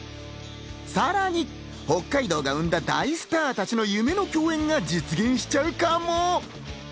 さらに北海道が生んだ大スターたちの夢の共演が実現しちゃうかも？